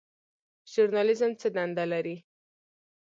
ژورنالیزم څه دنده لري؟